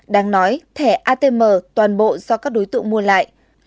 đáng nói thẻ atm toàn bộ do các đối tượng mua lại